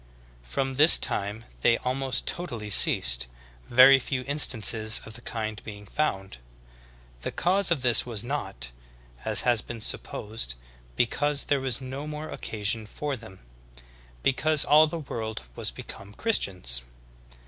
From this time they almost totally ceased, very few instances of the kind being found. The cause of this was not, as has been supposed, because there was no more occasion for them, because all the world was become Christians.